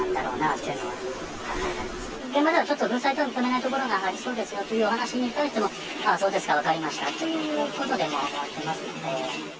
現場ではまだちょっと風災とは認められないところですよ、ありそうですよというに対してもそうですか私分かりましたということで、終えていますので。